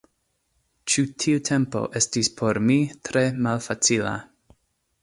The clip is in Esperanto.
Ĉi tiu tempo estis por mi tre malfacila.